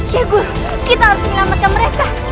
ya guru kita harus melamatkan mereka